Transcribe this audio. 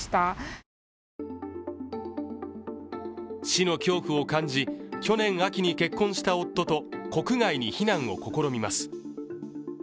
死の恐怖を感じ、去年秋に結婚した夫と国外に避難を試みます。